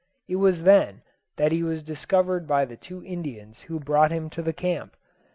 It was then that he was discovered by the two Indians who brought him to the camp.